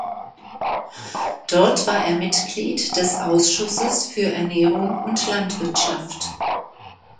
Dort war er Mitglied des Ausschusses für Ernährung und Landwirtschaft.